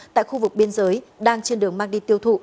tại khu vực biên giới đang trên đường mang đi tiêu thụ